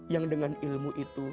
yang dengan ilmu itu